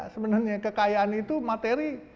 sebenarnya kekayaan itu materi